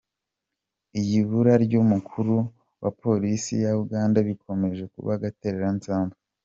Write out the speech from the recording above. Iby’ ibura ry’ umukuru wa polisi ya Uganda bikomeje kuba agatereranzamba .